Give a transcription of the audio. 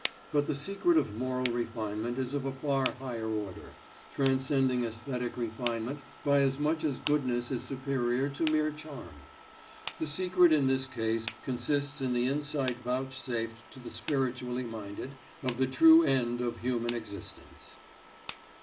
But the secret of moral refinement is of a far higher order, transcending aesthetic refinement by as much as goodness is superior to mere charm. The secret in this case consists in the insight vouchsafed to the spiritually minded of the true end of human existence.